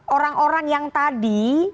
orang orang yang tadi